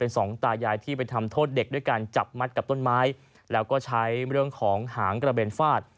สองตายายที่ไปทำโทษเด็กด้วยการจับมัดกับต้นไม้แล้วก็ใช้เรื่องของหางกระเบนฟาด